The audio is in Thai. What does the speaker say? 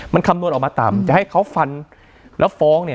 มันคำนวนออกมาต่ำจะให้เขาฟันละฟ้อง